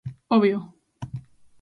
Obvio.